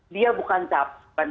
dia bukan cap